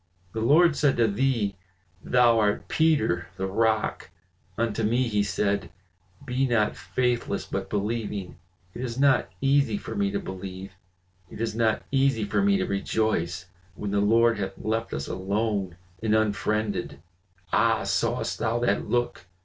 The Lord said to thee, 'Thou art Peter, the rock!' unto me he said, 'Be not faithless but believing.' It is not easy for me to believe, it is not easy for me to rejoice, when the Lord hath left us alone and unfriended. Ah! sawest thou that look?